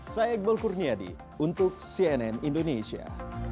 saya iqbal kurniadi untuk cnn indonesia